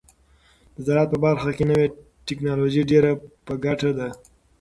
د زراعت په برخه کې نوې ټیکنالوژي ډیره په ګټه ده.